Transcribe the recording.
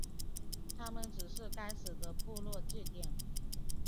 它们只是该死的部落祭典。